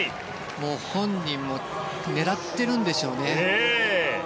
本人も狙っているんでしょうね。